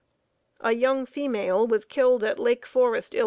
A young female was killed at Lake Forest, Ill.